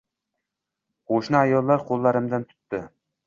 Qo`shni ayollar qo`llarimdan tutdi